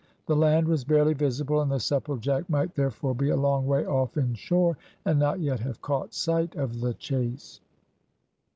The land was barely visible, and the Supplejack might therefore be a long way off in shore, and not yet have caught sight of the chase.